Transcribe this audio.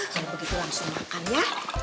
kalau begitu langsung makan ya